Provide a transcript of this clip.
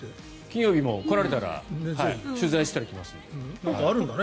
金曜日も来られたら取材したら来ますので。